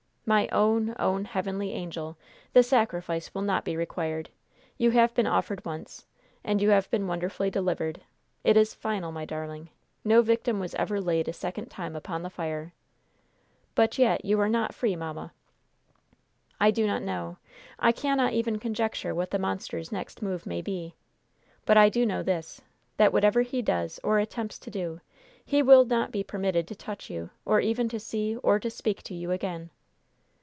"My own, own heavenly angel, the sacrifice will not be required. You have been once offered, and you have been wonderfully delivered. It is final, my darling. No victim was ever laid a second time upon the fire!" "But yet you are not free, mamma?" "I do not know. I cannot even conjecture what the monster's next move may be. But I do know this that, whatever he does, or attempts to do, he will not be permitted to touch you, or even to see or to speak to you again!"